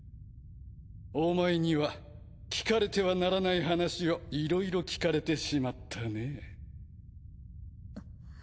お前には聞かれてはならない話をいろいろ聞かれてしまったね。